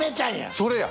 それや。